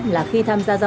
lần sau là